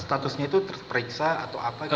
statusnya itu terperiksa atau apa gitu